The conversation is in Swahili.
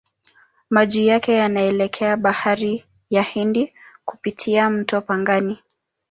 Maji yake yanaelekea Bahari ya Hindi kupitia mto Pangani.